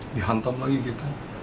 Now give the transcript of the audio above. dihantam lagi kita